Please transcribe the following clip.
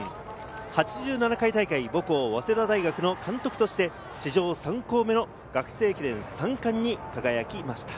８７回大会、母校・早稲田大学の監督として史上３校目の学生駅伝３冠に輝きました。